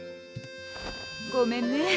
ごめんね。